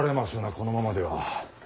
このままでは。